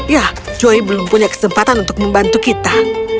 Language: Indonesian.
yah joey belum punya kesempatan untuk membantu kita